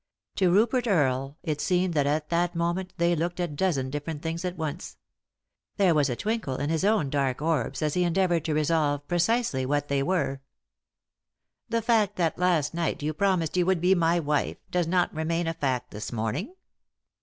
To Rupert Earle it seemed that at that moment they looked a dozen different things at once. There was a twinkle in his own dark orbs as he endeavoured to resolve precisely what they were. "The fact that last night you promised you would be my wife does not remain a fact this morning